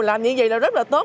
làm như vậy là rất là tốt